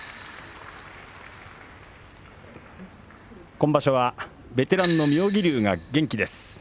今場所はベテランの妙義龍が元気です。